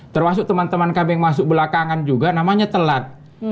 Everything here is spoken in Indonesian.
termasuk teman teman kami yang masuk belakangan juga namanya telat